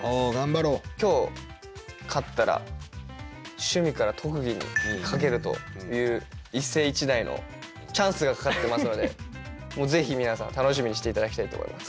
今日勝ったら趣味から特技に書けるという一世一代のチャンスがかかってますのでぜひ皆さん楽しみにして頂きたいと思います。